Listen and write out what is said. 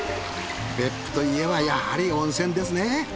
別府といえばやはり温泉ですね。